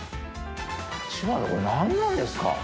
橘さんこれ何なんですか？